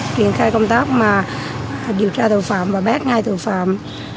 triển khai công tác mà điều tra tội phạm và bắt ngay tội phạm